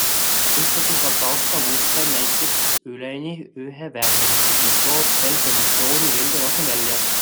Ühtlasi saab tausta muuta näiteks üleni ühevärviliseks, mis toob selfie emotsiooni veelgi rohkem välja.